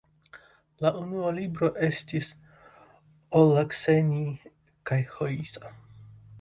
Lia unua libro estis "Ollakseni kaihoisa".